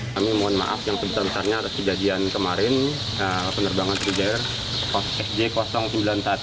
kami mohon maaf yang kebetulan betulnya ada kejadian kemarin penerbangan sewijaya air sd sembilan puluh satu